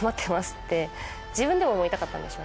って自分でも思いたかったんでしょうね。